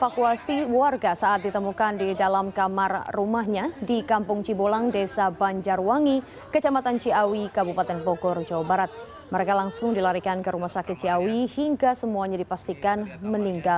keluarga kang abas disini